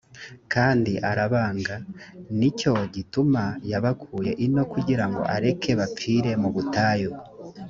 kandi arabanga: ni cyo gituma yabakuye ino kugira ngo areke bapfire mu butayu.’